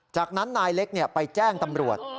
จากนั้นนายเล็กไปแจ้งตำรวจ